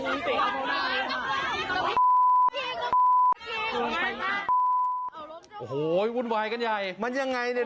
โอ้โหวุ่นวายกันใหญ่มันยังไงเนี่ย